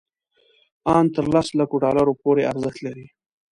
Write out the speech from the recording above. ان تر لس لکو ډالرو پورې ارزښت لري.